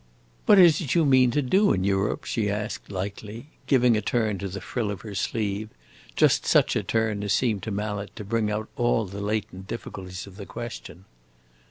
"What is it you mean to do in Europe?" she asked, lightly, giving a turn to the frill of her sleeve just such a turn as seemed to Mallet to bring out all the latent difficulties of the question.